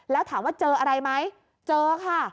แล้วถามว่าเจออะไรไหมเจอค่ะ